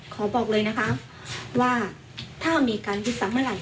ขอบอกเลยนะครับว่าถ้ามีการหยุดทรัพย์เมื่อไหร่